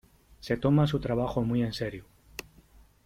Se toma su trabajo muy en serio.